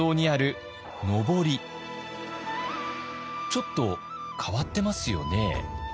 ちょっと変わってますよね。